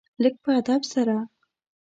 لږ په ادب سره .